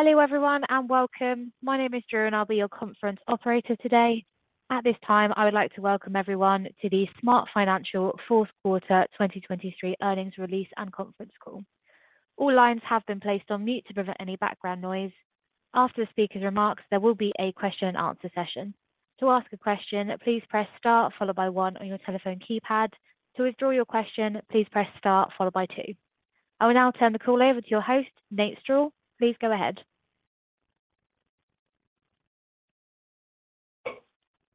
Hello, everyone, and welcome. My name is Drew, and I'll be your conference operator today. At this time, I would like to welcome everyone to the SmartFinancial fourth quarter 2023 Earnings Release and Conference Call. All lines have been placed on mute to prevent any background noise. After the speaker's remarks, there will be a question and answer session. To ask a question, please press Star followed by one on your telephone keypad. To withdraw your question, please press Star followed by two. I will now turn the call over to your host, Nate Strall. Please go ahead.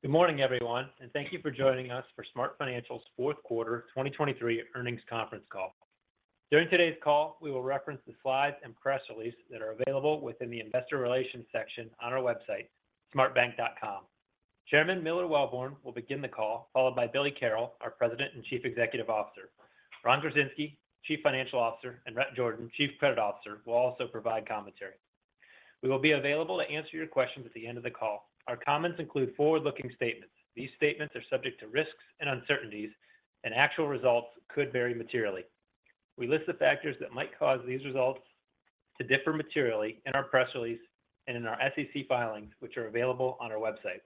Good morning, everyone, and thank you for joining us for SmartFinancial's fourth quarter 2023 earnings conference call. During today's call, we will reference the slides and press release that are available within the Investor Relations section on our website, smartbank.com. Chairman Miller Welborn will begin the call, followed by Billy Carroll, our President and Chief Executive Officer. Ron Gorczynski, Chief Financial Officer, and Rhett Jordan, Chief Credit Officer, will also provide commentary. We will be available to answer your questions at the end of the call. Our comments include forward-looking statements. These statements are subject to risks and uncertainties, and actual results could vary materially. We list the factors that might cause these results to differ materially in our press release and in our SEC filings, which are available on our website.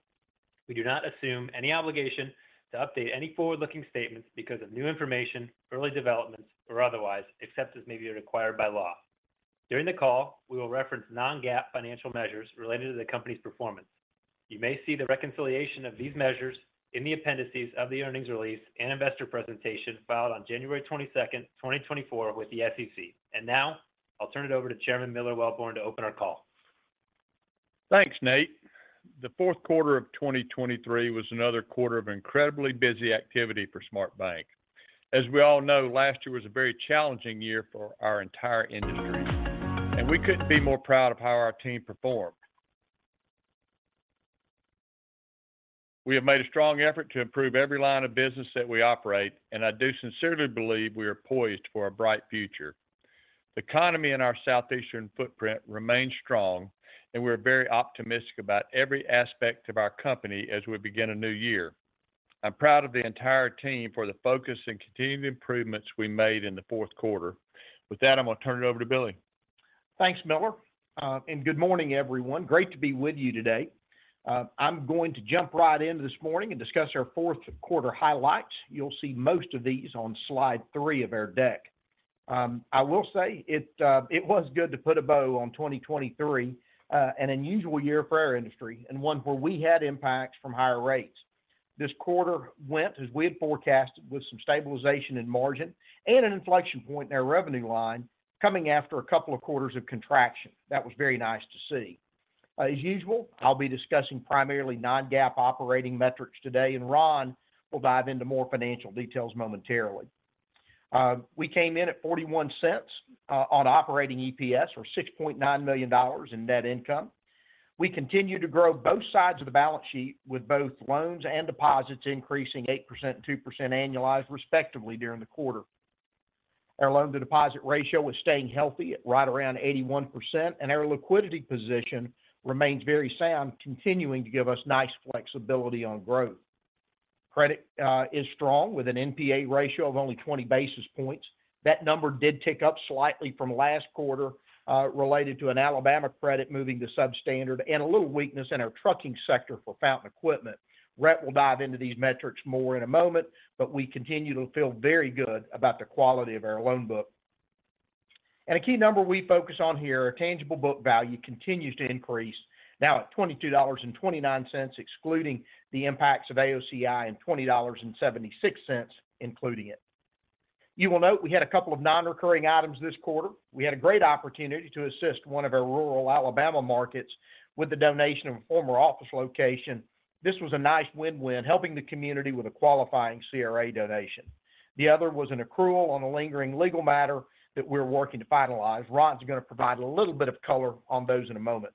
We do not assume any obligation to update any forward-looking statements because of new information, early developments, or otherwise, except as may be required by law. During the call, we will reference non-GAAP financial measures related to the company's performance. You may see the reconciliation of these measures in the appendices of the earnings release and investor presentation filed on January 22, 2024 with the SEC. And now, I'll turn it over to Chairman Miller Welborn to open our call. Thanks, Nate. The fourth quarter of 2023 was another quarter of incredibly busy activity for SmartBank. As we all know, last year was a very challenging year for our entire industry, and we couldn't be more proud of how our team performed. We have made a strong effort to improve every line of business that we operate, and I do sincerely believe we are poised for a bright future. The economy in our southeastern footprint remains strong, and we are very optimistic about every aspect of our company as we begin a new year. I'm proud of the entire team for the focus and continued improvements we made in the fourth quarter. With that, I'm going to turn it over to Billy. Thanks, Miller, and good morning, everyone. Great to be with you today. I'm going to jump right in this morning and discuss our fourth quarter highlights. You'll see most of these on slide three of our deck. I will say it, it was good to put a bow on 2023, an unusual year for our industry and one where we had impacts from higher rates. This quarter went, as we had forecasted, with some stabilization in margin and an inflection point in our revenue line coming after a couple of quarters of contraction. That was very nice to see. As usual, I'll be discussing primarily non-GAAP operating metrics today, and Ron will dive into more financial details momentarily. We came in at $0.41 on operating EPS or $6.9 million in net income. We continue to grow both sides of the balance sheet, with both loans and deposits increasing 8% and 2% annualized, respectively, during the quarter. Our loan-to-deposit ratio is staying healthy at right around 81%, and our liquidity position remains very sound, continuing to give us nice flexibility on growth. Credit is strong, with an NPA ratio of only 20 basis points. That number did tick up slightly from last quarter, related to an Alabama credit moving to substandard and a little weakness in our trucking sector for Fountain Equipment. Rhett will dive into these metrics more in a moment, but we continue to feel very good about the quality of our loan book. A key number we focus on here, tangible book value continues to increase, now at $22.29, excluding the impacts of AOCI, and $20.76, including it. You will note we had a couple of non-recurring items this quarter. We had a great opportunity to assist one of our rural Alabama markets with the donation of a former office location. This was a nice win-win, helping the community with a qualifying CRA donation. The other was an accrual on a lingering legal matter that we're working to finalize. Ron's going to provide a little bit of color on those in a moment.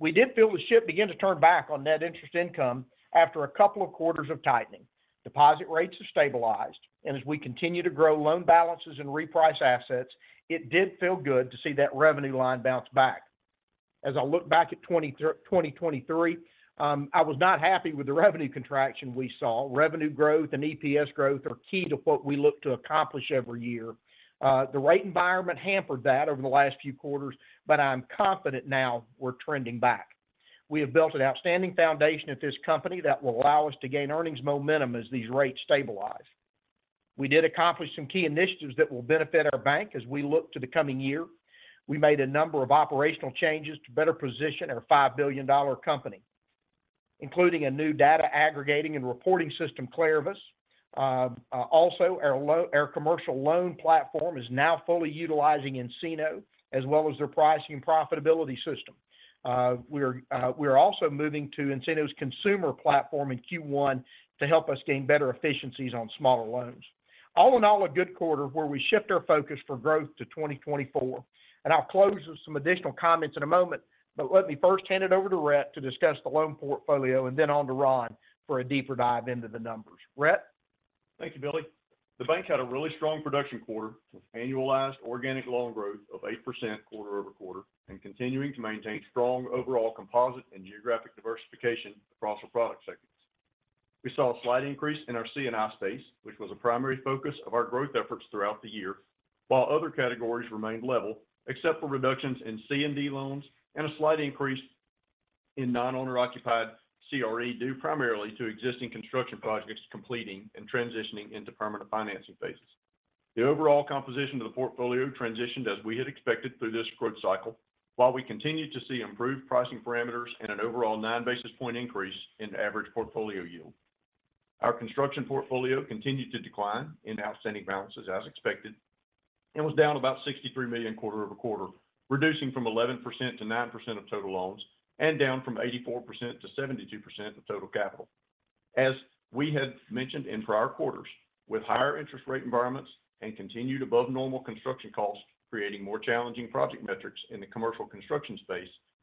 We did feel the ship begin to turn back on net interest income after a couple of quarters of tightening. Deposit rates have stabilized, and as we continue to grow loan balances and reprice assets, it did feel good to see that revenue line bounce back. As I look back at 2023, I was not happy with the revenue contraction we saw. Revenue growth and EPS growth are key to what we look to accomplish every year. The rate environment hampered that over the last few quarters, but I'm confident now we're trending back. We have built an outstanding foundation at this company that will allow us to gain earnings momentum as these rates stabilize. We did accomplish some key initiatives that will benefit our bank as we look to the coming year. We made a number of operational changes to better position our $5 billion company, including a new data aggregating and reporting system, KlariVis. Also, our commercial loan platform is now fully utilizing nCino, as well as their pricing and profitability system. We are also moving to nCino's consumer platform in Q1 to help us gain better efficiencies on smaller loans. All in all, a good quarter where we shift our focus for growth to 2024. And I'll close with some additional comments in a moment, but let me first hand it over to Rhett to discuss the loan portfolio and then on to Ron for a deeper dive into the numbers. Rhett? Thank you, Billy. The bank had a really strong production quarter with annualized organic loan growth of 8% quarter-over-quarter and continuing to maintain strong overall composite and geographic diversification across our product sectors. We saw a slight increase in our C&I space, which was a primary focus of our growth efforts throughout the year, while other categories remained level, except for reductions in C&D loans and a slight increase in non-owner-occupied CRE, due primarily to existing construction projects completing and transitioning into permanent financing phases. The overall composition of the portfolio transitioned as we had expected through this growth cycle, while we continued to see improved pricing parameters and an overall 9 basis point increase in average portfolio yield. Our construction portfolio continued to decline in outstanding balances, as expected, and was down about $63 million quarter-over-quarter, reducing from 11% to 9% of total loans, and down from 84% to 72% of total capital. As we had mentioned in prior quarters, with higher interest rate environments and continued above normal construction costs creating more challenging project metrics in the commercial construction space, starts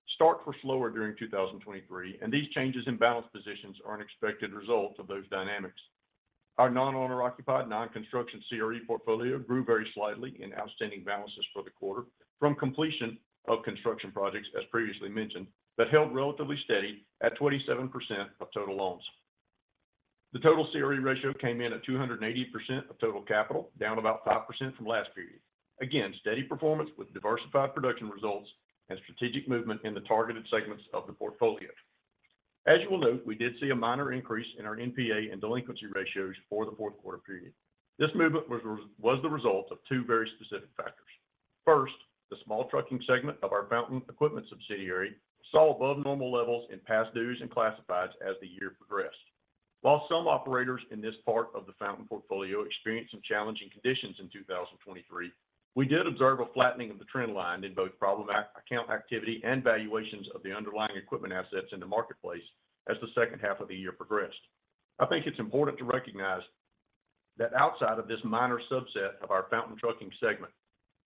were slower during 2023, and these changes in balance positions are an expected result of those dynamics. Our non-owner-occupied, non-construction CRE portfolio grew very slightly in outstanding balances for the quarter from completion of construction projects, as previously mentioned, but held relatively steady at 27% of total loans. The total CRE ratio came in at 280% of total capital, down about 5% from last period. Again, steady performance with diversified production results and strategic movement in the targeted segments of the portfolio. As you will note, we did see a minor increase in our NPA and delinquency ratios for the fourth quarter period. This movement was the result of two very specific factors. First, the small trucking segment of our Fountain Equipment subsidiary saw above normal levels in past dues and classifieds as the year progressed. While some operators in this part of the Fountain portfolio experienced some challenging conditions in 2023, we did observe a flattening of the trend line in both problem account activity and valuations of the underlying equipment assets in the marketplace as the second half of the year progressed. I think it's important to recognize that outside of this minor subset of our Fountain trucking segment,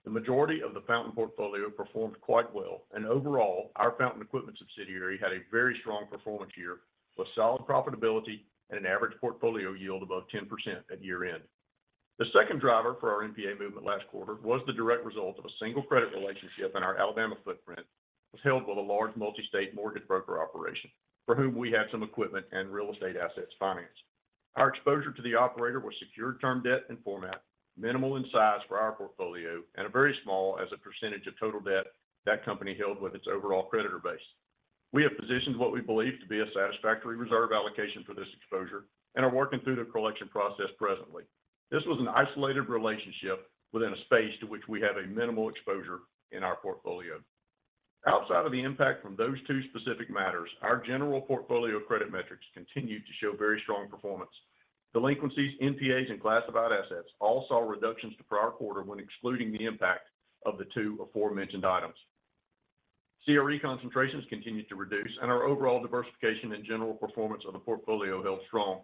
the majority of the Fountain portfolio performed quite well, and overall, our Fountain Equipment subsidiary had a very strong performance year, with solid profitability and an average portfolio yield above 10% at year-end. The second driver for our NPA movement last quarter was the direct result of a single credit relationship in our Alabama footprint, was held with a large multi-state mortgage broker operation, for whom we had some equipment and real estate assets financed. Our exposure to the operator was secured term debt and for that matter, minimal in size for our portfolio, and a very small as a percentage of total debt that company held with its overall creditor base. We have positioned what we believe to be a satisfactory reserve allocation for this exposure and are working through the collection process presently. This was an isolated relationship within a space to which we have a minimal exposure in our portfolio. Outside of the impact from those two specific matters, our general portfolio credit metrics continued to show very strong performance. Delinquencies, NPAs, and classified assets all saw reductions to prior quarter when excluding the impact of the two aforementioned items. CRE concentrations continued to reduce, and our overall diversification and general performance of the portfolio held strong.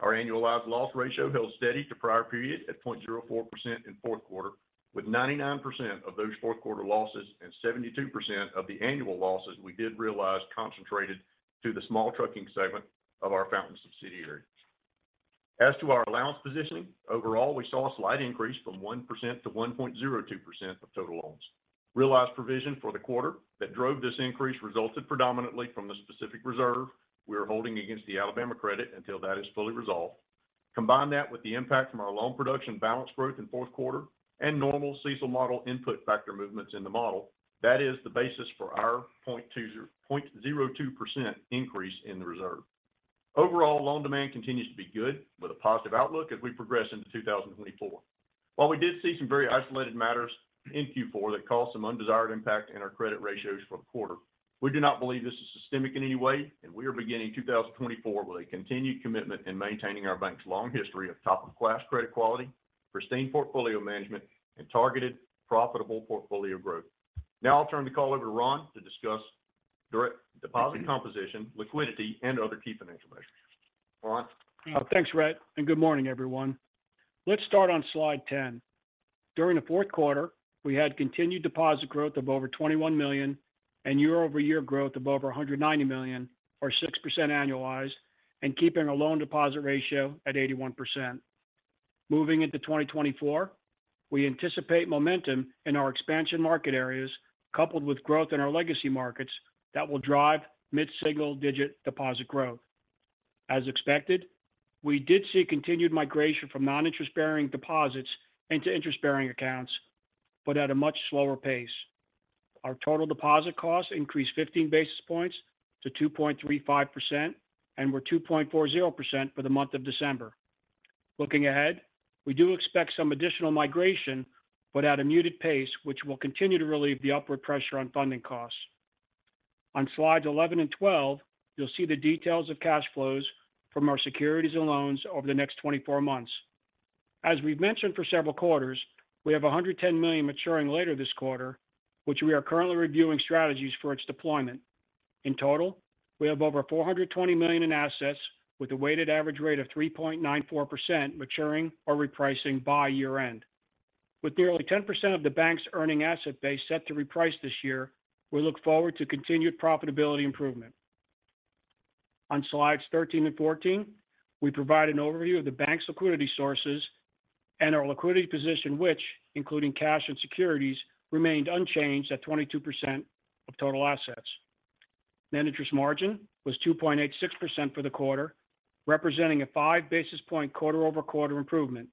Our annualized loss ratio held steady to prior period at 0.04% in fourth quarter, with 99% of those fourth quarter losses and 72% of the annual losses we did realize concentrated through the small trucking segment of our Fountain subsidiary. As to our allowance positioning, overall, we saw a slight increase from 1% to 1.02% of total loans. Realized provision for the quarter that drove this increase resulted predominantly from the specific reserve we are holding against the Alabama credit until that is fully resolved. Combine that with the impact from our loan production balance growth in fourth quarter and normal CECL model input factor movements in the model, that is the basis for our 0.20-0.02% increase in the reserve. Overall, loan demand continues to be good, with a positive outlook as we progress into 2024. While we did see some very isolated matters in Q4 that caused some undesired impact in our credit ratios for the quarter, we do not believe this is systemic in any way, and we are beginning 2024 with a continued commitment in maintaining our bank's long history of top-of-class credit quality, pristine portfolio management, and targeted, profitable portfolio growth. Now I'll turn the call over to Ron to discuss direct deposit composition, liquidity, and other key financial measures. Ron? Thanks, Rhett, and good morning, everyone. Let's start on slide 10. During the fourth quarter, we had continued deposit growth of over $21 million and year-over-year growth of over $190 million, or 6% annualized, and keeping a loan deposit ratio at 81%. Moving into 2024, we anticipate momentum in our expansion market areas, coupled with growth in our legacy markets, that will drive mid-single-digit deposit growth. As expected, we did see continued migration from non-interest-bearing deposits into interest-bearing accounts, but at a much slower pace. Our total deposit costs increased 15 basis points to 2.35% and were 2.40% for the month of December. Looking ahead, we do expect some additional migration, but at a muted pace, which will continue to relieve the upward pressure on funding costs. On slides 11 and 12, you'll see the details of cash flows from our securities and loans over the next 24 months. As we've mentioned for several quarters, we have $110 million maturing later this quarter, which we are currently reviewing strategies for its deployment. In total, we have over $420 million in assets with a weighted average rate of 3.94% maturing or repricing by year-end. With nearly 10% of the bank's earning asset base set to reprice this year, we look forward to continued profitability improvement. On slides 13 and 14, we provide an overview of the bank's liquidity sources and our liquidity position, which, including cash and securities, remained unchanged at 22% of total assets. Net interest margin was 2.86% for the quarter, representing a 5 basis point quarter-over-quarter improvement.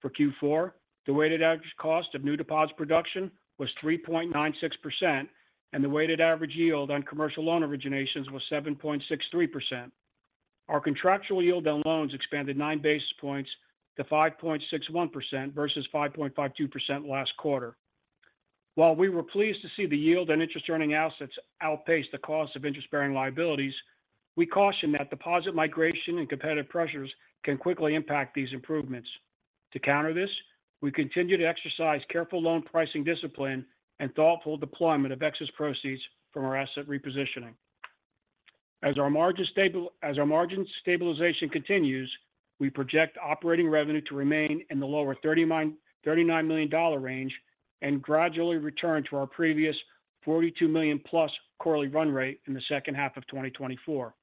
For Q4, the weighted average cost of new deposit production was 3.96%, and the weighted average yield on commercial loan originations was 7.63%. Our contractual yield on loans expanded 9 basis points to 5.61% versus 5.52% last quarter. While we were pleased to see the yield and interest earning assets outpace the cost of interest-bearing liabilities, we caution that deposit migration and competitive pressures can quickly impact these improvements. To counter this, we continue to exercise careful loan pricing discipline and thoughtful deployment of excess proceeds from our asset repositioning. As our margin stabilization continues, we project operating revenue to remain in the lower $39-$39 million range and gradually return to our previous $42 million+ quarterly run rate in the second half of 2024.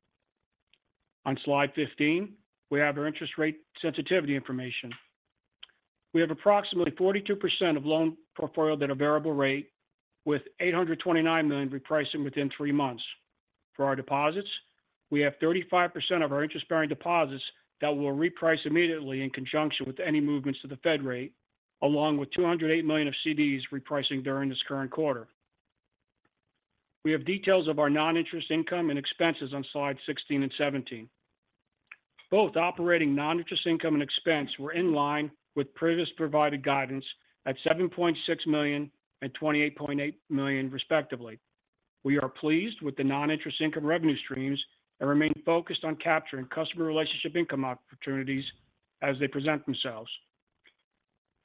On slide 15, we have our interest rate sensitivity information. We have approximately 42% of loan portfolio at a variable rate, with $829 million repricing within three months. For our deposits, we have 35% of our interest-bearing deposits that will reprice immediately in conjunction with any movements to the Fed rate, along with $208 million of CDs repricing during this current quarter. We have details of our non-interest income and expenses on slide 16 and 17. Both operating non-interest income and expense were in line with previous provided guidance at $7.6 million and $28.8 million, respectively. We are pleased with the non-interest income revenue streams and remain focused on capturing customer relationship income opportunities as they present themselves.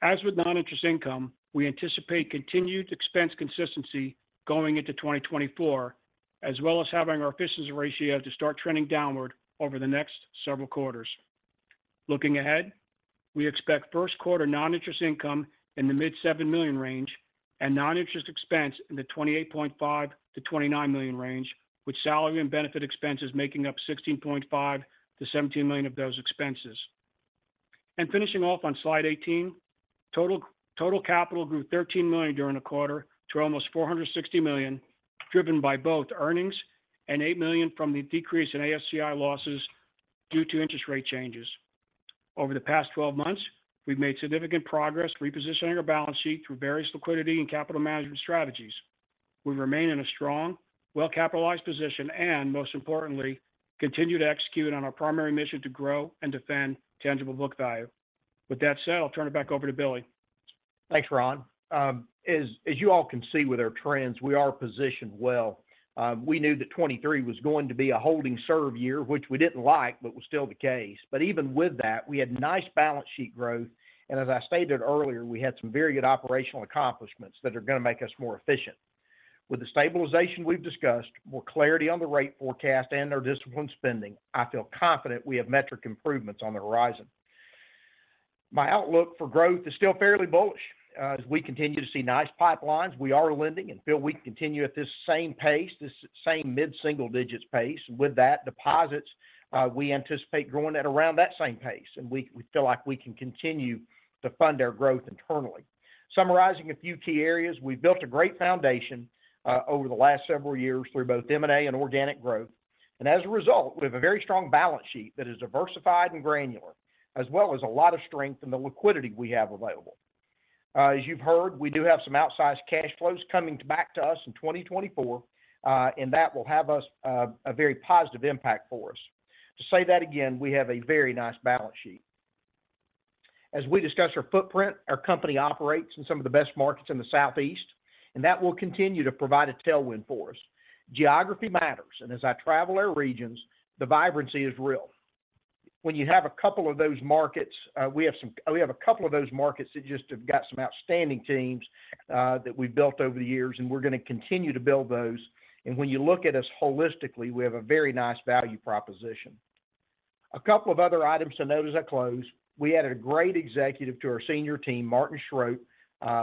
As with non-interest income, we anticipate continued expense consistency going into 2024, as well as having our efficiency ratio to start trending downward over the next several quarters. Looking ahead, we expect first quarter non-interest income in the mid-$7 million range and non-interest expense in the $28.5 million-$29 million range, with salary and benefit expenses making up $16.5 million-$17 million of those expenses. Finishing off on slide 18, total capital grew $13 million during the quarter to almost $460 million, driven by both earnings and $8 million from the decrease in AOCI losses due to interest rate changes. Over the past 12 months, we've made significant progress repositioning our balance sheet through various liquidity and capital management strategies. We remain in a strong, well-capitalized position and most importantly, continue to execute on our primary mission to grow and defend tangible book value. With that said, I'll turn it back over to Billy. Thanks, Ron. As you all can see with our trends, we are positioned well. We knew that 2023 was going to be a holding serve year, which we didn't like, but was still the case. But even with that, we had nice balance sheet growth, and as I stated earlier, we had some very good operational accomplishments that are going to make us more efficient. With the stabilization we've discussed, more clarity on the rate forecast and our disciplined spending, I feel confident we have metric improvements on the horizon. My outlook for growth is still fairly bullish. As we continue to see nice pipelines, we are lending, and feel we continue at this same pace, this same mid-single digits pace. With that, deposits, we anticipate growing at around that same pace, and we feel like we can continue to fund our growth internally. Summarizing a few key areas, we've built a great foundation over the last several years through both M&A and organic growth, and as a result, we have a very strong balance sheet that is diversified and granular, as well as a lot of strength in the liquidity we have available. As you've heard, we do have some outsized cash flows coming back to us in 2024, and that will have a very positive impact for us. To say that again, we have a very nice balance sheet. As we discuss our footprint, our company operates in some of the best markets in the Southeast, and that will continue to provide a tailwind for us. Geography matters, and as I travel our regions, the vibrancy is real. When you have a couple of those markets, we have a couple of those markets that just have got some outstanding teams, that we've built over the years, and we're going to continue to build those. And when you look at us holistically, we have a very nice value proposition. A couple of other items to note as I close. We added a great executive to our senior team, Martin Schroeder.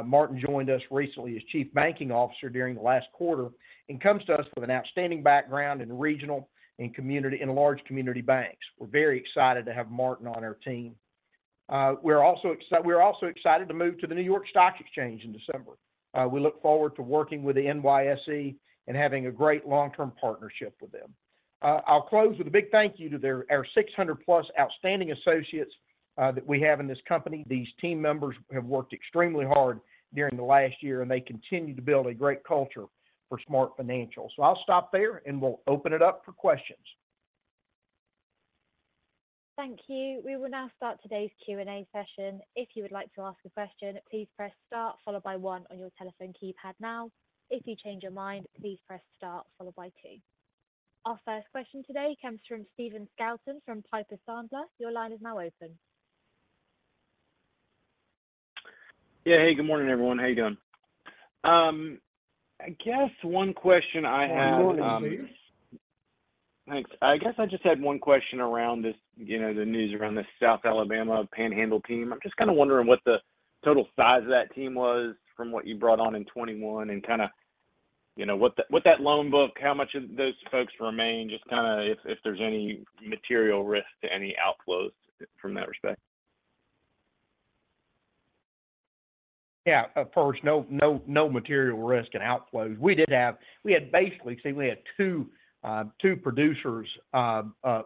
Martin joined us recently as Chief Banking Officer during the last quarter and comes to us with an outstanding background in regional and community, and large community banks. We're very excited to have Martin on our team. We're also excited to move to the New York Stock Exchange in December. We look forward to working with the NYSE and having a great long-term partnership with them. I'll close with a big thank you to our 600+ outstanding associates that we have in this company. These team members have worked extremely hard during the last year, and they continue to build a great culture for SmartFinancial. I'll stop there, and we'll open it up for questions. Thank you. We will now start today's Q&A session. If you would like to ask a question, please press star followed by one on your telephone keypad now. If you change your mind, please press star followed by two. Our first question today comes from Stephen Scouten from Piper Sandler. Your line is now open. Yeah. Hey, good morning, everyone. How are you doing? I guess one question I have, Good morning, Steve. Thanks. I guess I just had one question around this, you know, the news around the South Alabama Panhandle team. I'm just kind of wondering what the total size of that team was from what you brought on in 2021 and kind of-... you know, what that, what that loan book, how much of those folks remain? Just kind of if, if there's any material risk to any outflows from that respect. Yeah, of course, no, no, no material risk and outflows. We had basically two producers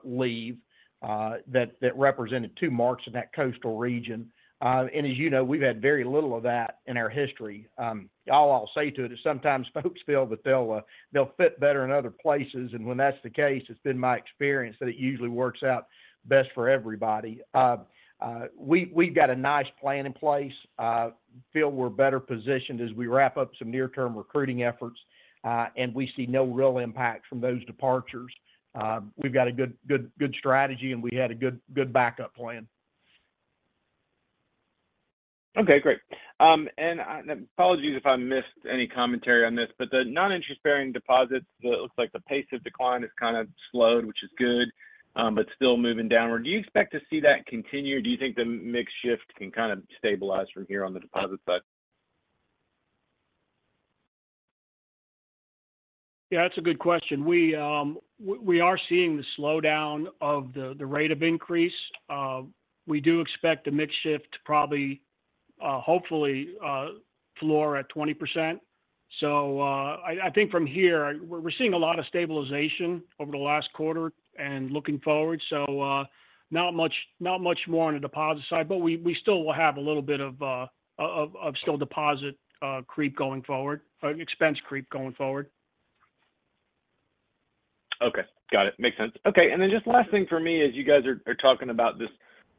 leave that represented two markets in that coastal region. And as you know, we've had very little of that in our history. All I'll say to it is sometimes folks feel that they'll fit better in other places, and when that's the case, it's been my experience that it usually works out best for everybody. We've got a nice plan in place, feel we're better positioned as we wrap up some near-term recruiting efforts, and we see no real impact from those departures. We've got a good strategy, and we had a good backup plan. Okay, great. Apologies if I missed any commentary on this, but the non-interest-bearing deposits, it looks like the pace of decline has kind of slowed, which is good, but still moving downward. Do you expect to see that continue, or do you think the mix shift can kind of stabilize from here on the deposit side? Yeah, that's a good question. We, we are seeing the slowdown of the rate of increase. We do expect a mix shift to probably, hopefully, floor at 20%. So, I, I think from here, we're, we're seeing a lot of stabilization over the last quarter and looking forward. So, not much, not much more on the deposit side, but we, we still will have a little bit of still deposit creep going forward or expense creep going forward. Okay. Got it. Makes sense. Okay, and then just last thing for me is you guys are talking about this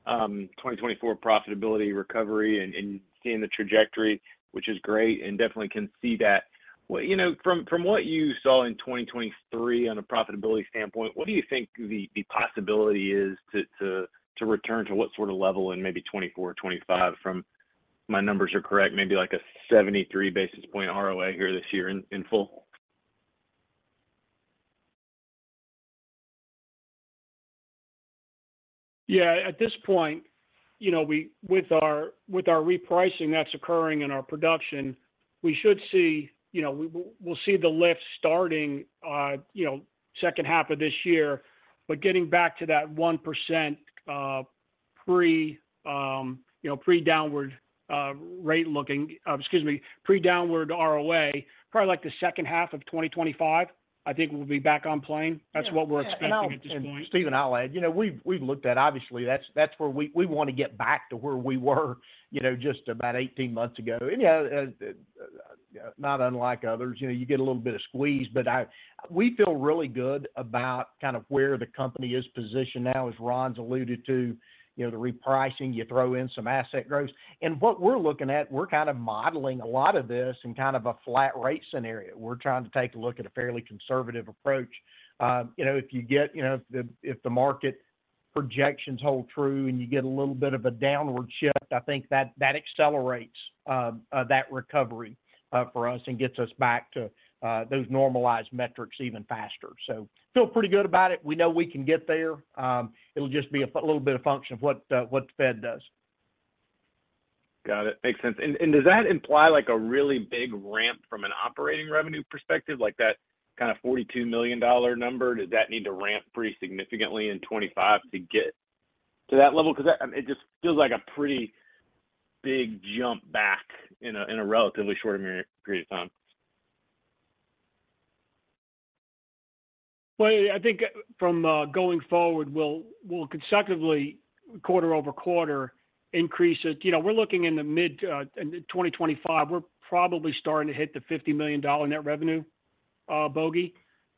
2024 profitability recovery and seeing the trajectory, which is great, and definitely can see that. Well, you know, from what you saw in 2023 on a profitability standpoint, what do you think the possibility is to return to what sort of level in maybe 2024 or 2025 from, if my numbers are correct, maybe like a 73 basis point ROA here this year in full? Yeah. At this point, you know, with our repricing that's occurring in our production, we should see, you know, we'll see the lift starting, you know, second half of this year. But getting back to that 1%, pre-downward ROA, probably like the second half of 2025, I think we'll be back on plane. Yeah. That's what we're expecting at this point. And Steven, I'll add, you know, we've looked at—obviously, that's where we want to get back to where we were, you know, just about 18 months ago. And, yeah, not unlike others, you know, you get a little bit of squeeze, but we feel really good about kind of where the company is positioned now, as Ron's alluded to, you know, the repricing, you throw in some asset growth. And what we're looking at, we're kind of modeling a lot of this in kind of a flat rate scenario. We're trying to take a look at a fairly conservative approach. You know, if you get, you know, if the market projections hold true, and you get a little bit of a downward shift, I think that accelerates that recovery for us and gets us back to those normalized metrics even faster. So feel pretty good about it. We know we can get there. It'll just be a little bit of function of what the Fed does. Got it. Makes sense. And does that imply like a really big ramp from an operating revenue perspective, like that kind of $42 million number? Does that need to ramp pretty significantly in 2025 to get to that level? Because that... It just feels like a pretty big jump back in a relatively short a mere period of time. Well, I think from going forward, we'll consecutively quarter-over-quarter increase it. You know, we're looking in the mid in 2025, we're probably starting to hit the $50 million net revenue bogey.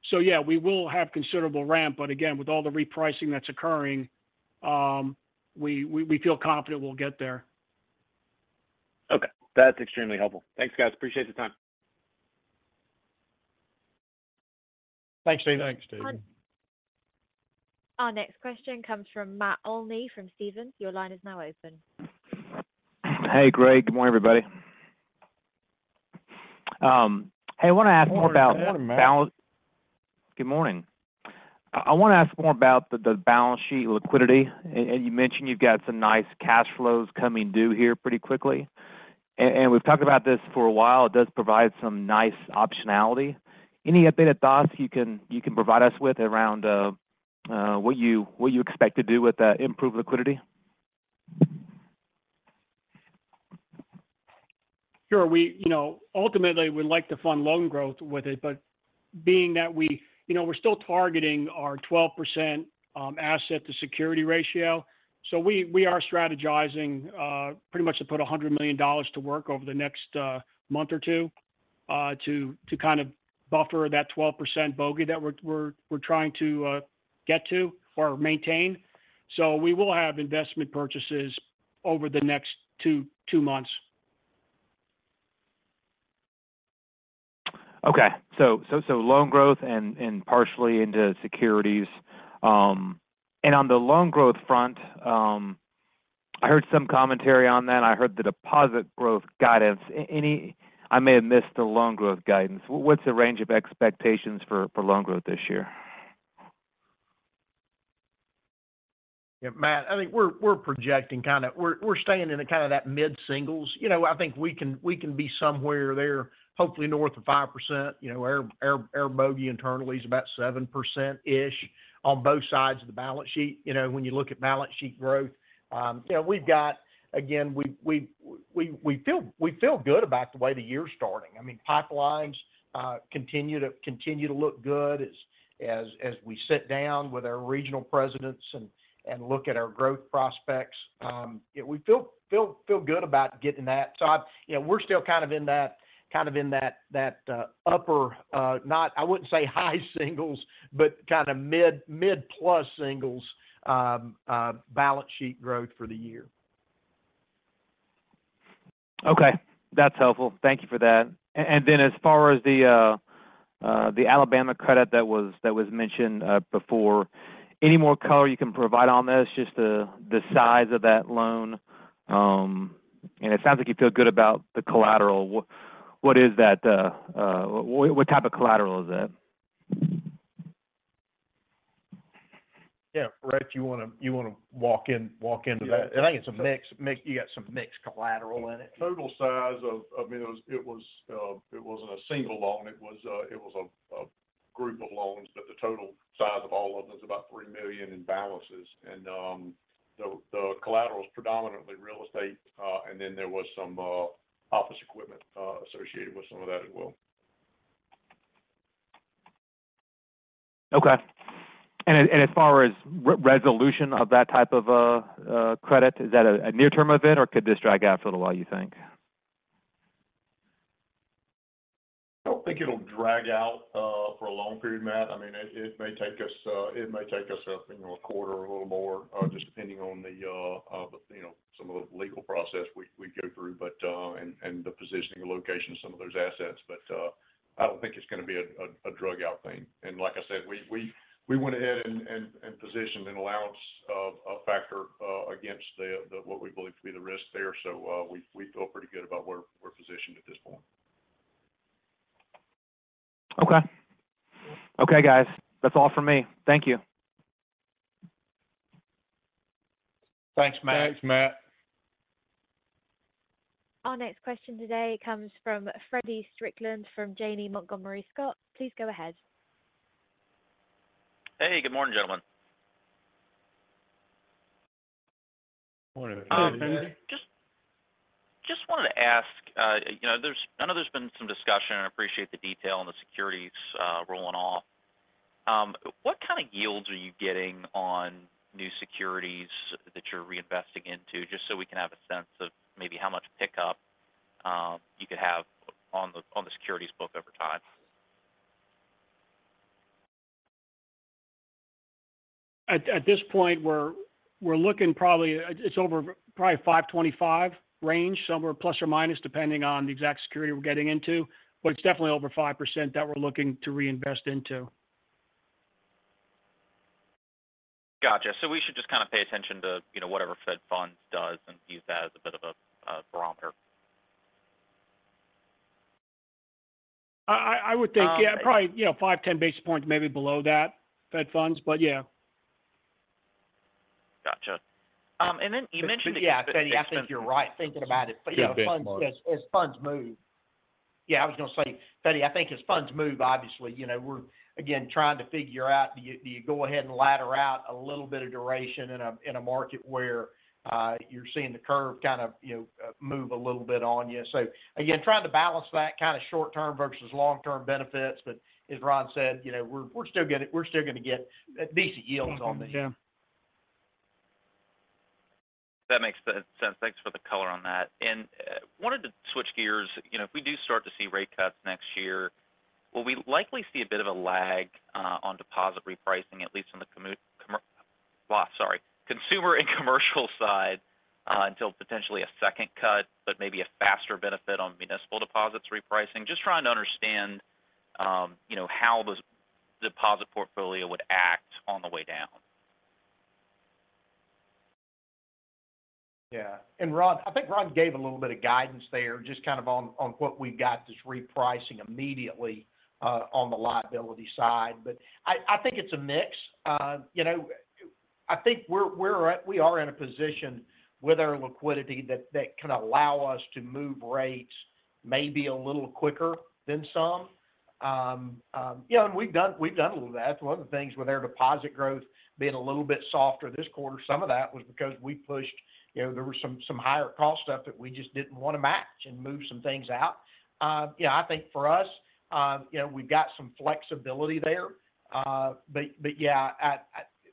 So yeah, we will have considerable ramp, but again, with all the repricing that's occurring, we feel confident we'll get there. Okay. That's extremely helpful. Thanks, guys. Appreciate the time. Thanks, Steve. Thanks, Steve. Our next question comes from Matt Olney from Stephens. Your line is now open. Hey, Greg. Good morning, everybody. Hey, I want to ask more about- Good morning, Matt. Good morning. I want to ask more about the balance sheet liquidity. You mentioned you've got some nice cash flows coming due here pretty quickly. We've talked about this for a while. It does provide some nice optionality. Any updated thoughts you can provide us with around what you expect to do with that improved liquidity? Sure. We, you know, ultimately, we'd like to fund loan growth with it, but being that we you know, we're still targeting our 12% asset to security ratio. So we are strategizing pretty much to put $100 million to work over the next month or two to kind of buffer that 12% bogey that we're trying to get to or maintain. So we will have investment purchases over the next two months. Okay. So loan growth and partially into securities. And on the loan growth front, I heard some commentary on that, and I heard the deposit growth guidance. Any... I may have missed the loan growth guidance. What's the range of expectations for loan growth this year? Yeah, Matt, I think we're projecting kinda—we're staying in that mid singles. You know, I think we can be somewhere there, hopefully north of 5%. You know, our bogey internally is about 7%-ish on both sides of the balance sheet. You know, when you look at balance sheet growth, you know, we've got, again, we feel good about the way the year's starting. I mean, pipelines continue to look good as we sit down with our regional presidents and look at our growth prospects. Yeah, we feel good about getting that. So, you know, we're still kind of in that, kind of in that, that upper, not—I wouldn't say high singles, but kinda mid, mid plus singles, balance sheet growth for the year. Okay. That's helpful. Thank you for that. And then as far as the Alabama credit that was mentioned before, any more color you can provide on this, just the size of that loan? And it sounds like you feel good about the collateral. What type of collateral is that? Yeah. Rhett, do you want to walk into that? Yeah. I think it's a mix, you got some mixed collateral in it. Total size of, I mean, it was, it wasn't a single loan. It was a group of loans, but the total size of all of them is about $3 million in balances. The collateral is predominantly real estate, and then there was some office equipment associated with some of that as well. Okay. And as far as re-resolution of that type of a credit, is that a near-term event, or could this drag out for a little while, you think? I don't think it'll drag out for a long period, Matt. I mean, it may take us up, you know, a quarter or a little more, just depending on the, you know, some of the legal process we go through, but and the positioning and location of some of those assets. But I don't think it's gonna be a drag out thing. And like I said, we went ahead and positioned an allowance of a factor against the—what we believe to be the risk there. So we feel pretty good about where we're positioned at this point. Okay. Okay, guys. That's all for me. Thank you. Thanks, Matt. Thanks, Matt. Our next question today comes from Freddy Strickland from Janney Montgomery Scott. Please go ahead. Hey, good morning, gentlemen. Morning. Morning, Freddy. Just, just wanted to ask, you know, there's, I know there's been some discussion, and I appreciate the detail on the securities, rolling off. What kind of yields are you getting on new securities that you're reinvesting into? Just so we can have a sense of maybe how much pickup, you could have on the, on the securities book over time. At this point, we're looking probably, it's over probably 5.25 range, somewhere ±, depending on the exact security we're getting into, but it's definitely over 5% that we're looking to reinvest into. Gotcha. So we should just kind of pay attention to, you know, whatever Fed Funds does and use that as a bit of a barometer? I would think, yeah, probably, you know, 5-10 basis points, maybe below that Fed Funds, but yeah. Gotcha. And then you mentioned- Yeah, Freddy, I think you're right, thinking about it. Yeah. But as funds move. Yeah, I was going to say, Freddy, I think as funds move, obviously, you know, we're again trying to figure out, do you go ahead and ladder out a little bit of duration in a market where you're seeing the curve kind of, you know, move a little bit on you? So again, trying to balance that kind of short-term versus long-term benefits. But as Ron said, you know, we're still gonna get decent yields on these. Mm-hmm. Yeah. That makes sense. Thanks for the color on that. And wanted to switch gears. You know, if we do start to see rate cuts next year, will we likely see a bit of a lag on deposit repricing, at least on the consumer and commercial side until potentially a second cut, but maybe a faster benefit on municipal deposits repricing? Just trying to understand, you know, how the deposit portfolio would act on the way down. Yeah. Ron, I think Ron gave a little bit of guidance there, just kind of on what we've got this repricing immediately on the liability side, but I think it's a mix. You know, I think we're at we are in a position with our liquidity that can allow us to move rates maybe a little quicker than some. You know, and we've done a little of that. One of the things with our deposit growth being a little bit softer this quarter, some of that was because we pushed, you know, there was some higher cost stuff that we just didn't want to match and move some things out. Yeah, I think for us, you know, we've got some flexibility there. But yeah,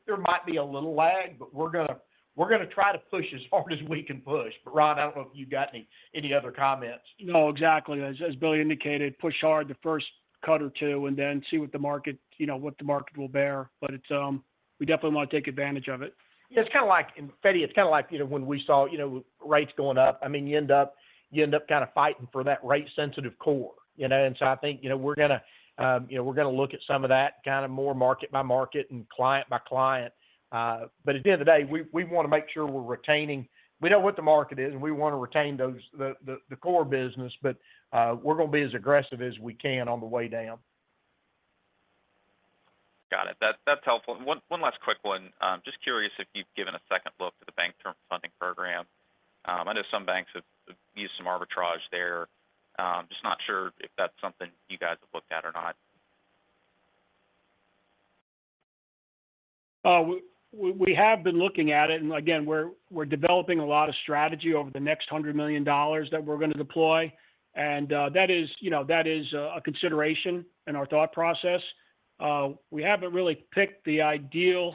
there might be a little lag, but we're gonna try to push as hard as we can push. But Ron, I don't know if you've got any other comments. No, exactly. As Billy indicated, push hard the first cut or two, and then see what the market, you know, what the market will bear. But it's, we definitely want to take advantage of it. It's kinda like, and Freddy, it's kinda like, you know, when we saw, you know, rates going up, I mean, you end up, you end up kinda fighting for that rate-sensitive core, you know? And so I think, you know, we're gonna, you know, we're gonna look at some of that kind of more market by market and client by client. But at the end of the day, we wanna make sure we're retaining. We know what the market is, and we want to retain those, the core business, but we're gonna be as aggressive as we can on the way down. Got it. That's, that's helpful. One, one last quick one. Just curious if you've given a second look to the Bank Term Funding Program. I know some banks have, have used some arbitrage there. Just not sure if that's something you guys have looked at or not. We have been looking at it, and again, we're developing a lot of strategy over the next $100 million that we're gonna deploy. And that is, you know, that is a consideration in our thought process. We haven't really picked the ideal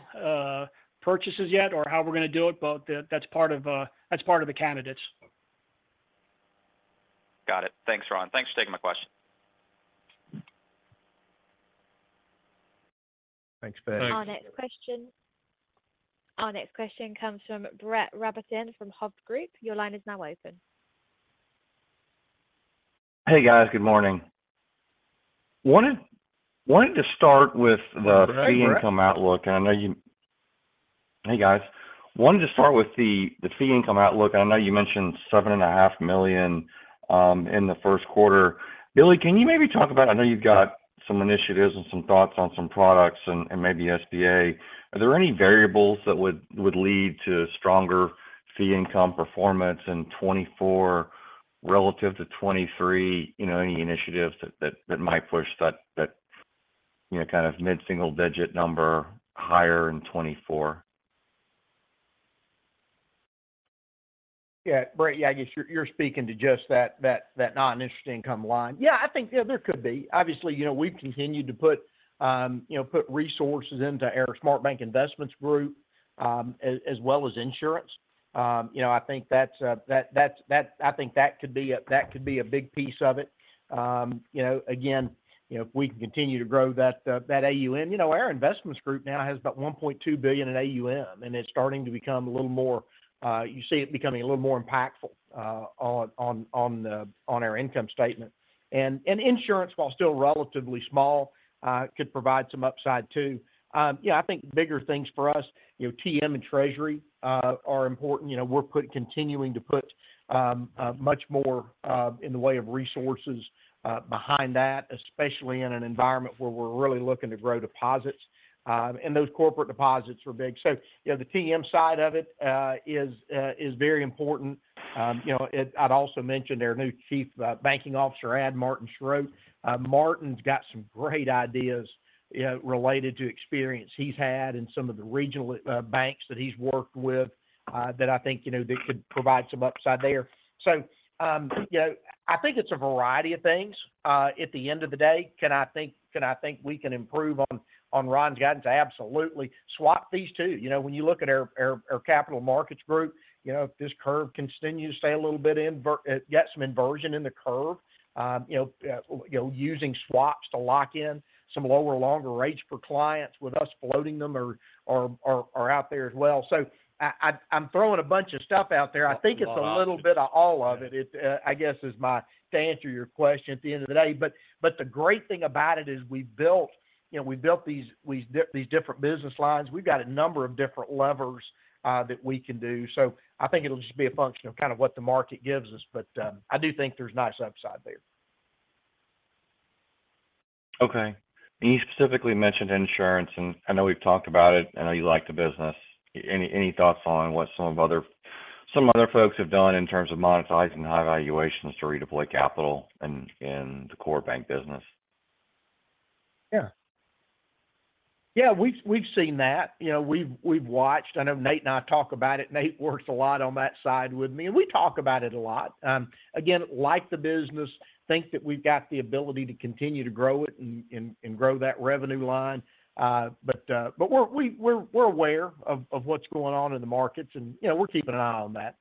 purchases yet or how we're gonna do it, but that's part of, that's part of the candidates. Got it. Thanks, Ron. Thanks for taking my question. Thanks, Ben. Thanks. Our next question comes from Brett Rabatin from Hovde Group. Your line is now open. Hey, guys. Good morning. Wanted to start with the- Hi, Brett... fee income outlook, and I know you— Hey, guys. Wanted to start with the fee income outlook. I know you mentioned $7.5 million in the first quarter. Billy, can you maybe talk about? I know you've got some initiatives and some thoughts on some products and maybe SBA. Are there any variables that would lead to stronger fee income performance in 2024 relative to 2023? You know, any initiatives that might push that, you know, kind of mid-single-digit number higher in 2024? Yeah, Brett, yeah, I guess you're speaking to just that non-interest income line. Yeah, I think, yeah, there could be. Obviously, you know, we've continued to put, you know, put resources into our SmartBank investments group, as well as insurance. You know, I think that's, that's-- I think that could be a big piece of it. You know, again, you know, if we can continue to grow that AUM, you know, our investments group now has about $1.2 billion in AUM, and it's starting to become a little more impactful, you see it becoming a little more impactful on our income statement. And insurance, while still relatively small, could provide some upside too. Yeah, I think bigger things for us, you know, TM and Treasury are important. You know, we're continuing to put much more in the way of resources behind that, especially in an environment where we're really looking to grow deposits, and those corporate deposits are big. So, you know, the TM side of it is very important. You know, I'd also mention our new Chief Banking Officer, Martin Schroeder. Martin's got some great ideas, you know, related to experience he's had in some of the regional banks that he's worked with, that I think, you know, they could provide some upside there. So, you know, I think it's a variety of things at the end of the day. I think, I think we can improve on Ron's guidance? Absolutely. Swap fees, too. You know, when you look at our capital markets group, you know, if this curve continues to stay a little bit inverted, get some inversion in the curve, you know, using swaps to lock in some lower, longer rates for clients with us floating them or out there as well. So, I'm throwing a bunch of stuff out there. I think it's a little bit of all of it, it, I guess, is my answer to answer your question at the end of the day. But the great thing about it is we built, you know, we built these different business lines. We've got a number of different levers that we can do. I think it'll just be a function of kind of what the market gives us, but, I do think there's nice upside there. Okay. And you specifically mentioned insurance, and I know we've talked about it. I know you like the business. Any thoughts on what some other folks have done in terms of monetizing high valuations to redeploy capital in the core bank business? Yeah. Yeah, we've seen that. You know, we've watched, I know Nate and I talk about it. Nate works a lot on that side with me, and we talk about it a lot. Again, like the business, think that we've got the ability to continue to grow it and grow that revenue line. But we're aware of what's going on in the markets, and, you know, we're keeping an eye on that.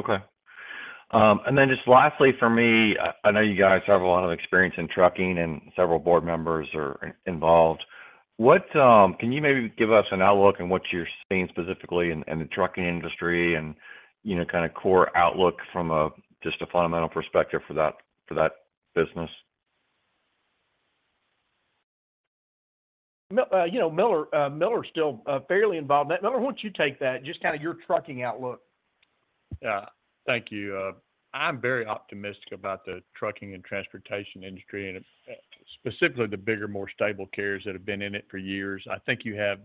Okay. And then just lastly for me, I know you guys have a lot of experience in trucking and several board members are involved. What can you maybe give us an outlook on what you're seeing specifically in the trucking industry and, you know, kind of core outlook from a just a fundamental perspective for that business? You know, Miller, Miller is still fairly involved in that. Miller, why don't you take that, just kind of your trucking outlook? Yeah. Thank you. I'm very optimistic about the trucking and transportation industry, and specifically the bigger, more stable carriers that have been in it for years. I think you have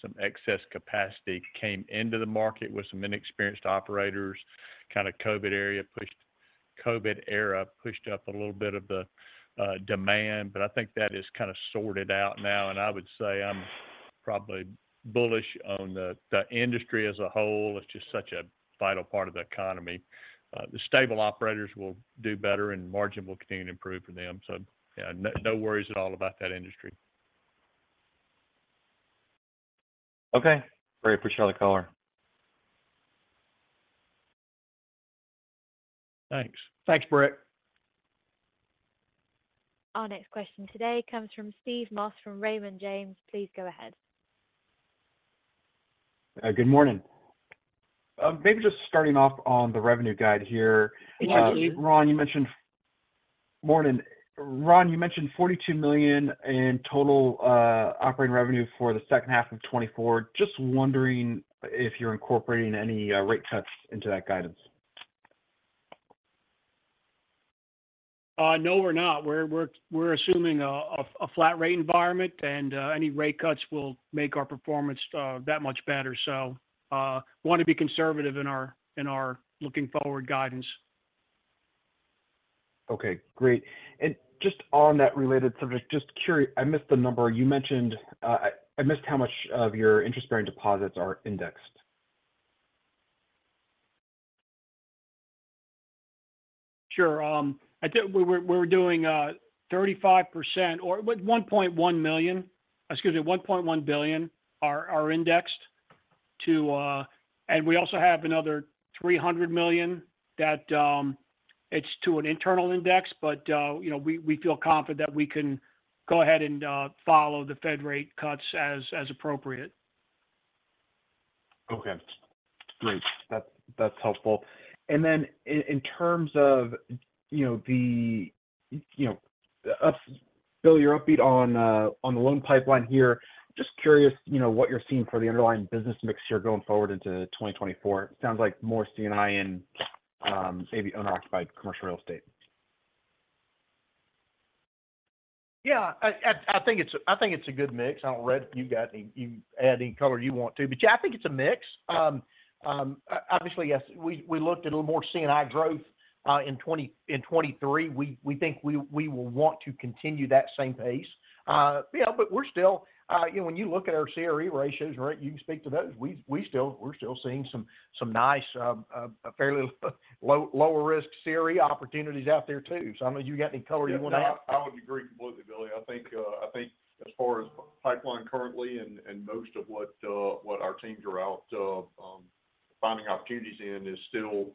some excess capacity came into the market with some inexperienced operators, kind of COVID era pushed up a little bit of the demand, but I think that is kind of sorted out now, and I would say I'm probably bullish on the industry as a whole. It's just such a vital part of the economy. The stable operators will do better and margin will continue to improve for them, so, yeah, no, no worries at all about that industry. Okay. Great, appreciate the color. Thanks. Thanks, Brett. Our next question today comes from Steve Moss, from Raymond James. Please go ahead. Good morning. Maybe just starting off on the revenue guide here. Yeah, Steve. Morning, Ron. You mentioned $42 million in total operating revenue for the second half of 2024. Just wondering if you're incorporating any rate cuts into that guidance? No, we're not. We're assuming a flat rate environment, and any rate cuts will make our performance that much better. So, want to be conservative in our looking forward guidance. Okay, great. And just on that related subject, just curious. I missed the number. You mentioned, I missed how much of your interest-bearing deposits are indexed? Sure. I think we're doing 35% or $1.1 million, excuse me, $1.1 billion are indexed to. And we also have another $300 million that it's to an internal index, but you know, we feel confident that we can go ahead and follow the Fed rate cuts as appropriate. Okay. Great. That's, that's helpful. And then in terms of, you know, the, you know, Billy, you're upbeat on the loan pipeline here. Just curious, you know, what you're seeing for the underlying business mix here going forward into 2024. Sounds like more C&I and maybe owner-occupied commercial real estate. Yeah, I think it's a good mix. I don't know if you got any color you want to add, but, yeah, I think it's a mix. Obviously, yes, we looked at a little more C&I growth in 2023. We think we will want to continue that same pace. Yeah, but we're still, you know, when you look at our CRE ratios, right? You can speak to those. We're still seeing some nice, fairly low, lower risk CRE opportunities out there, too. So I don't know if you got any color you want to add. Yeah, I would agree completely, Billy. I think as far as pipeline currently and most of what our teams are out finding opportunities in is still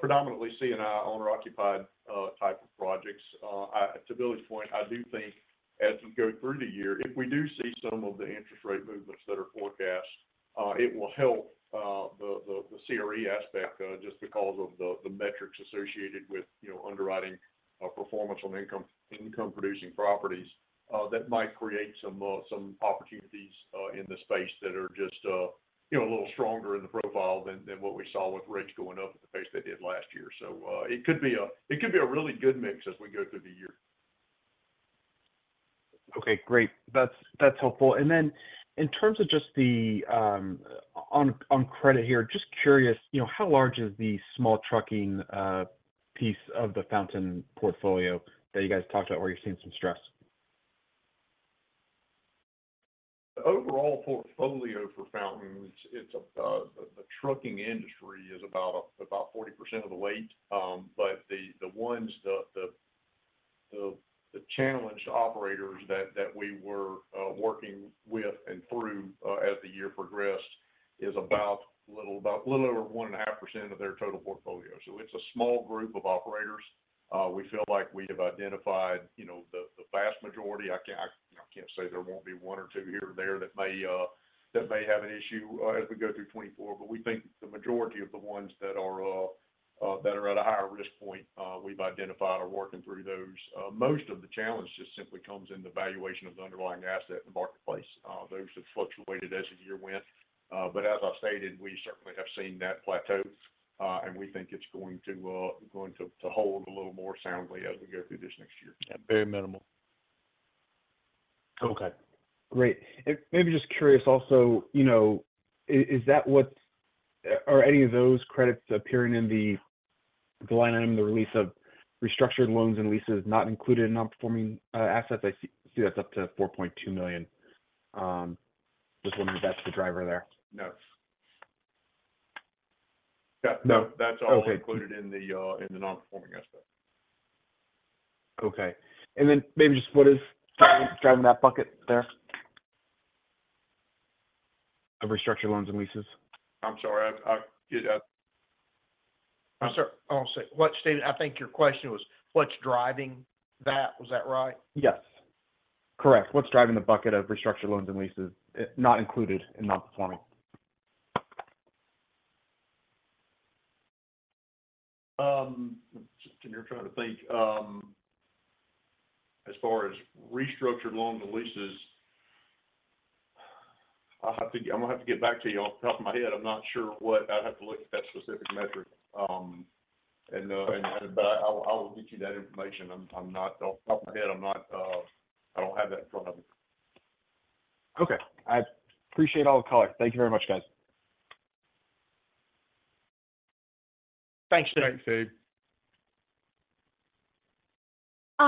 predominantly C&I owner-occupied type of projects. To Billy's point, I do think as we go through the year, if we do see some of the interest rate movements that are forecast, it will help the CRE aspect just because of the metrics associated with, you know, underwriting performance on income-producing properties that might create some opportunities in the space that are just, you know, a little stronger in the profile than what we saw with rates going up at the pace they did last year. So, it could be a really good mix as we go through the year. Okay, great. That's, that's helpful. And then in terms of just the, on, on credit here, just curious, you know, how large is the small trucking piece of the Fountain portfolio that you guys talked about where you're seeing some stress? Overall portfolio for Fountain, the trucking industry is about 40% of the weight. But the challenged operators that we were working with and through as the year progressed is about a little over 1.5% of their total portfolio. So it's a small group of operators. We feel like we have identified, you know, the vast majority. I can't, you know, I can't say there won't be one or two here or there that may have an issue as we go through 2024, but we think the majority of the ones that are at a higher risk point we've identified are working through those. Most of the challenge just simply comes in the valuation of the underlying asset in the marketplace. Those have fluctuated as the year went. But as I stated, we certainly have seen that plateau, and we think it's going to hold a little more soundly as we go through this next year. Yeah, very minimal. Okay, great. And maybe just curious also, you know, is that what—are any of those credits appearing in the, the line item, the release of restructured loans and leases not included in nonperforming assets? I see that's up to $4.2 million. Just wondering if that's the driver there. No. Yeah- No. That's all- Okay... included in the, in the nonperforming aspect. Okay. And then maybe just what is driving, driving that bucket there of restructured loans and leases? I'm sorry, yeah. I'm sorry. I'll say, what, Steven, I think your question was what's driving that? Was that right? Yes. Correct. What's driving the bucket of restructured loans and leases, not included in nonperforming? Just trying to think. As far as restructured loans and leases, I have to. I'm going to have to get back to you. Off the top of my head, I'm not sure what. I'd have to look at that specific metric. But I'll, I will get you that information. I'm not. Off the top of my head, I'm not. I don't have that in front of me. Okay. I appreciate all the color. Thank you very much, guys. Thanks, Steve. Thanks, Steve. Our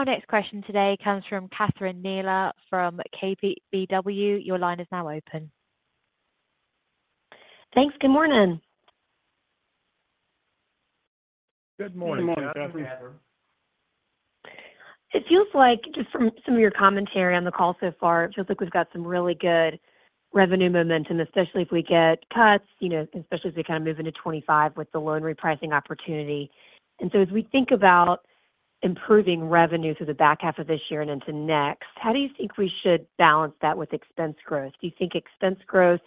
next question today comes from Catherine Mealor from KBW. Your line is now open. Thanks. Good morning. Good morning, Catherine. Good morning, Catherine. It feels like, just from some of your commentary on the call so far, it feels like we've got some really good revenue momentum, especially if we get cuts, you know, especially as we kind of move into 25 with the loan repricing opportunity. And so as we think about improving revenue through the back half of this year and into next, how do you think we should balance that with expense growth? Do you think expense growth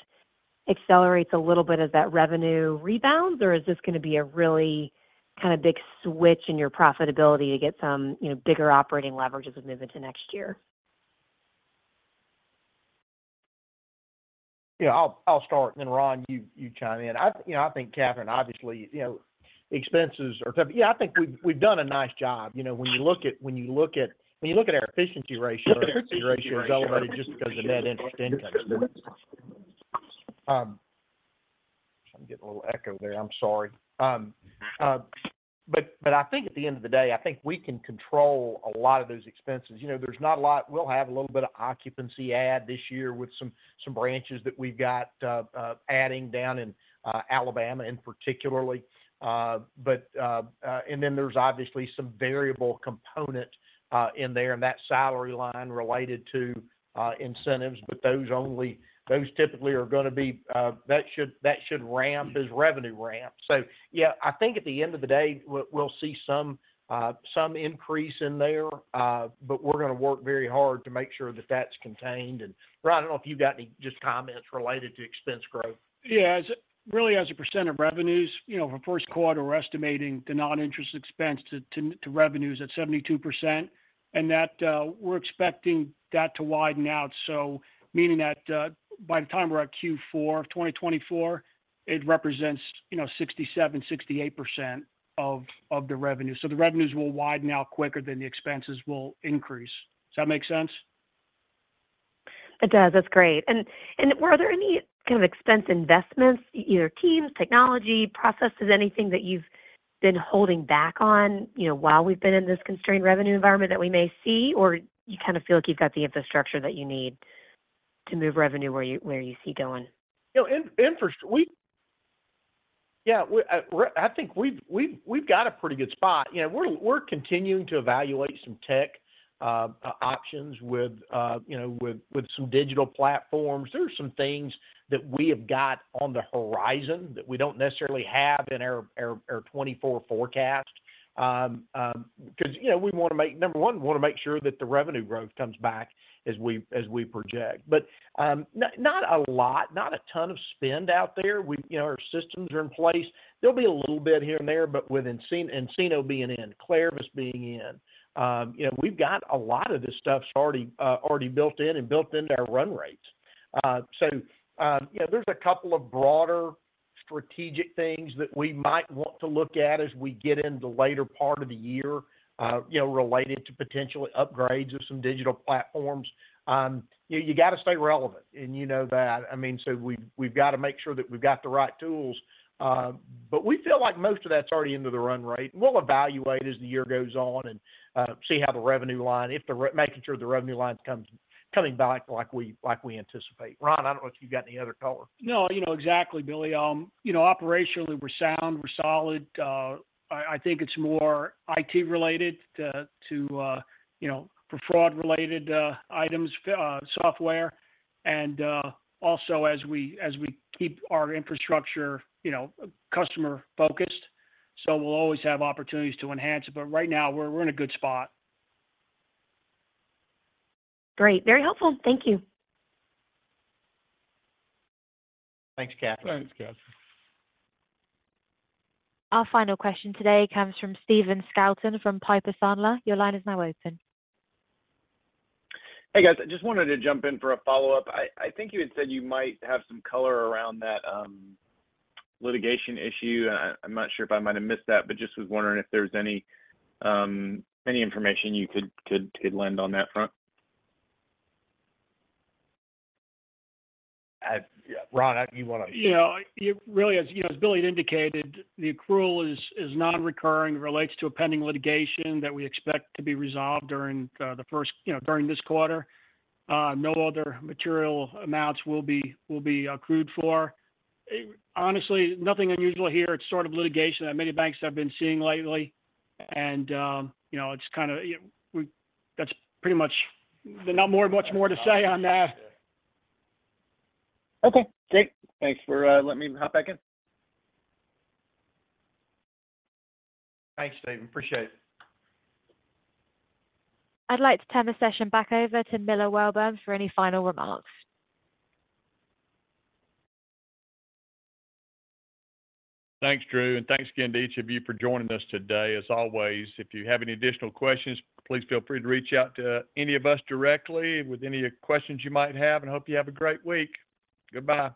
accelerates a little bit of that revenue rebound, or is this going to be a really kind of big switch in your profitability to get some, you know, bigger operating leverage as we move into next year? Yeah, I'll start, and then Ron, you chime in. I think, Catherine, obviously, expenses are. Yeah, I think we've done a nice job. You know, when you look at our efficiency ratio, the efficiency ratio is elevated just because of net interest income. I'm getting a little echo there, I'm sorry. But I think at the end of the day, I think we can control a lot of those expenses. You know, there's not a lot. We'll have a little bit of occupancy add this year with some branches that we've got adding down in Alabama in particular. But then there's obviously some variable component in there in that salary line related to incentives, but those typically are gonna be that should ramp as revenue ramps. So yeah, I think at the end of the day, we'll see some increase in there, but we're gonna work very hard to make sure that that's contained. And Ron, I don't know if you've got any just comments related to expense growth. Yeah, really as a percent of revenues, you know, for first quarter, we're estimating the non-interest expense to revenues at 72%, and that we're expecting that to widen out. So meaning that by the time we're at Q4 of 2024, it represents, you know, 67%-68% of the revenue. So the revenues will widen out quicker than the expenses will increase. Does that make sense? It does. That's great. And were there any kind of expense investments, either teams, technology, processes, anything that you've been holding back on, you know, while we've been in this constrained revenue environment that we may see? Or you kind of feel like you've got the infrastructure that you need to move revenue where you see it going? You know, in interest. We. Yeah, we're, I think we've got a pretty good spot. You know, we're continuing to evaluate some tech options with, you know, with some digital platforms. There are some things that we have got on the horizon that we don't necessarily have in our 2024 forecast. Because, you know, we wanna make, number one, we wanna make sure that the revenue growth comes back as we project. But, not a lot, not a ton of spend out there. We, you know, our systems are in place. There'll be a little bit here and there, but with nCino being in, KlariVis being in, you know, we've got a lot of this stuff's already built in and built into our run rates. So, yeah, there's a couple of broader strategic things that we might want to look at as we get in the later part of the year, you know, related to potential upgrades of some digital platforms. You got to stay relevant, and you know that. I mean, so we, we've got to make sure that we've got the right tools, but we feel like most of that's already into the run rate. We'll evaluate as the year goes on and see how the revenue line is coming back like we anticipate. Ron, I don't know if you've got any other color. No, you know, exactly, Billy. You know, operationally, we're sound, we're solid. I think it's more IT related to you know, for fraud-related items, software, and also as we keep our infrastructure, you know, customer focused. So we'll always have opportunities to enhance it, but right now we're in a good spot. Great. Very helpful. Thank you. Thanks, Catherine. Thanks, Catherine. Our final question today comes from Stephen Scouten, from Piper Sandler. Your line is now open. Hey, guys. I just wanted to jump in for a follow-up. I think you had said you might have some color around that litigation issue. I'm not sure if I might have missed that, but just was wondering if there's any information you could lend on that front? Ron, you wanna- You know, it really, as you know, as Billy indicated, the accrual is nonrecurring, relates to a pending litigation that we expect to be resolved during the first, you know, during this quarter. No other material amounts will be accrued for. Honestly, nothing unusual here. It's sort of litigation that many banks have been seeing lately, and you know, it's kind of. That's pretty much, there's not much more to say on that. Okay, great. Thanks for letting me hop back in. Thanks, Stephen. Appreciate it. I'd like to turn the session back over to Miller Welborn for any final remarks. Thanks, Drew, and thanks again to each of you for joining us today. As always, if you have any additional questions, please feel free to reach out to any of us directly with any questions you might have, and hope you have a great week. Goodbye.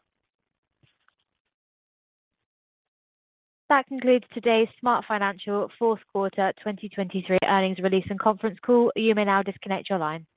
That concludes today's SmartFinancial fourth quarter 2023 earnings release and conference call. You may now disconnect your line.